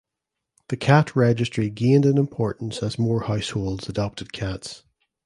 The cat registry gained in importance as more households adopted cats.